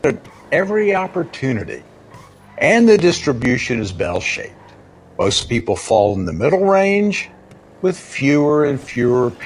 procedurais, altíssimo nível, imperativo, declarativo, procedural, mapeamento, ortogonais, dinamicamente